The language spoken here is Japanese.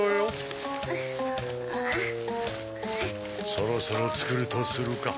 そろそろつくるとするか。